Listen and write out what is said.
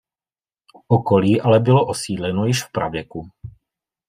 Okolí ale bylo osídleno již v pravěku.